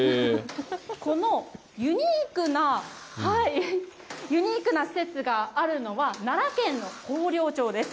このユニークな施設があるのは、奈良県の広陵町です。